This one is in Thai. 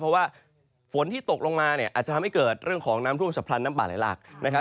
เพราะว่าฝนที่ตกลงมาอาจจะทำให้เกิดเรื่องของน้ำทุกข์สะพรรณน้ำป่าไหล่ลาก